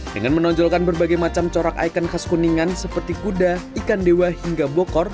dengan menonjolkan berbagai macam corak ikon khas kuningan seperti kuda ikan dewa hingga bokor